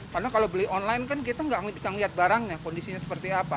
karena kalau beli online kan kita nggak bisa melihat barangnya kondisinya seperti apa